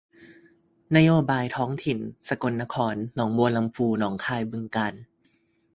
นโยบายท้องถิ่น สกลนครหนองบัวลำภูหนองคายบึงกาฬ